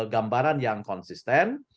gambaran yang konsisten